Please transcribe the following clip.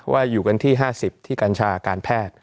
อยู่กันที่๕๐ที่กัญชาการแพทย์